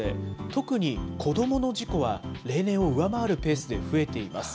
特に子どもの事故は例年を上回るペースで増えています。